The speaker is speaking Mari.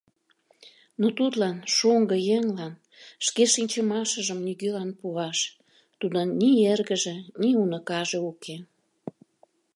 Но тудлан, шоҥго еҥлан, шке шинчымашыжым нигӧлан пуаш — тудын ни эргыже, ни уныкаже уке.